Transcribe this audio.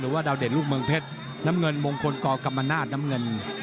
ว่าดาวเด่นลูกเมืองเพชรน้ำเงินมงคลกกรรมนาศน้ำเงิน